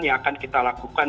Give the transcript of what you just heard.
yang akan kita lakukan